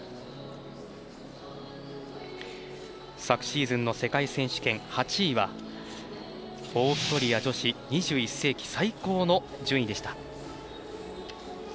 昨シーズンの世界選手権８位はオーストリア女子２１世紀最高の順位でした。